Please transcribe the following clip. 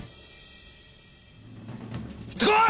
行って来い！